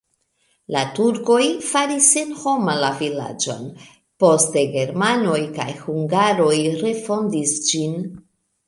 La turkoj faris senhoma la vilaĝon, poste germanoj kaj hungaroj refondis ĝin.